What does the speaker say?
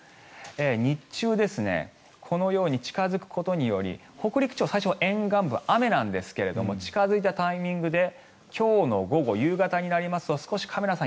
日中このように近付くことにより北陸地方、最初は沿岸部雨ですが近付いたタイミングで今日の午後、夕方になりますと少しカメラさん